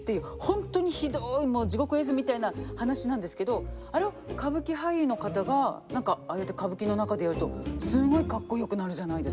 本当にひどい地獄絵図みたいな話なんですけどあれを歌舞伎俳優の方が何かああやって歌舞伎の中でやるとすごいカッコよくなるじゃないですか。